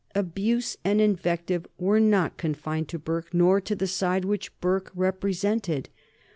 Abuse and invective were not confined to Burke nor to the side which Burke represented.